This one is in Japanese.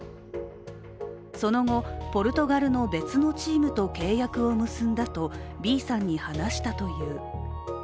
その後、ポルトガルの別のチームと契約を結んだとＢさんに話したという。